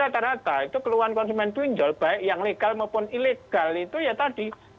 jadi rata rata itu keluhan konsumen pinjol baik yang legal maupun ilegal itu ya tadi terantam